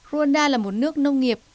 rwanda là một nước nông nghiệp